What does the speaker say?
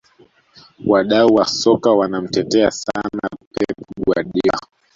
wadau wa soka wanamtetea sana pep guardiola